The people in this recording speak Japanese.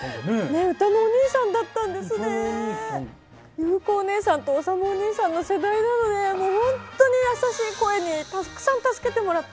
ゆう子お姉さんとおさむお兄さんの世代なのでもう本当に優しい声にたくさん助けてもらって。